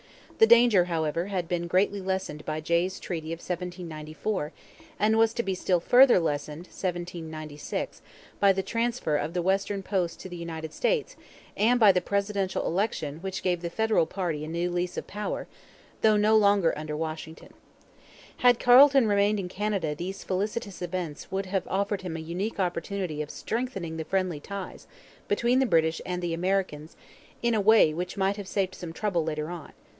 The danger, however, had been greatly lessened by Jay's Treaty of 1794 and was to be still further lessened (1796) by the transfer of the Western Posts to the United States and by the presidential election which gave the Federal party a new lease of power, though no longer under Washington. Had Carleton remained in Canada these felicitous events would have offered him a unique opportunity of strengthening the friendly ties between the British and the Americans in a way which might have saved some trouble later on.